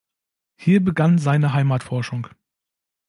Hier begann seine Heimatforschung.